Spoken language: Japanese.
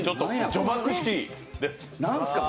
除幕式です。